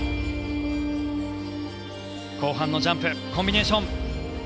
後半のジャンプコンビネーション。